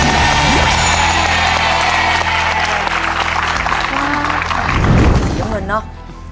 สีน้ำเงินเนอะ